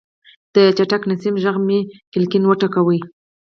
د چټک نسیم غږ مې کړکۍ وټکوله.